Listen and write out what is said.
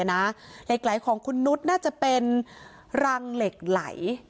เหล็กไหลของคุณนุษย์น่าจะเป็นรังเหล็กไหล